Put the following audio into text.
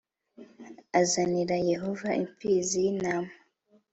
azanire Yehova imfizi y intama